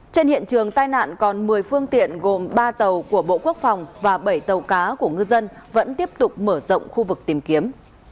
trên hiện trường tai nạn còn một mươi phương tiện gồm ba tàu của bộ quốc phòng và bảy tàu cá của ngư dân vẫn tiếp tục mở rộng khu vực tìm kiếm